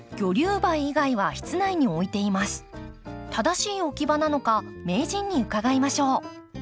正しい置き場なのか名人に伺いましょう。